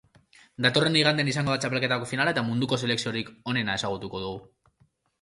Datorren igandean izango da txapelketako finala eta munduko selekziorik onena ezagutuko dugu.